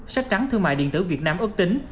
sách trắng thương mại điện tử việt nam ước tính